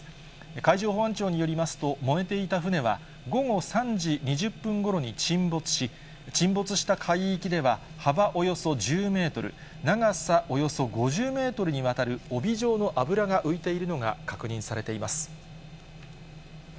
海上保安庁によりますと、燃えていた船は、午後３時２０分ごろに沈没し、沈没した海域では、幅およそ１０メートル、長さおよそ５０メートルにわたる帯状の油が浮いているのが確認されています。